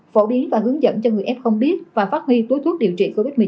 phổ biến và hướng dẫn cho người f biết và phát huy túi thuốc điều trị covid một mươi chín